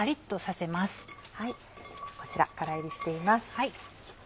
こちら空炒りしています。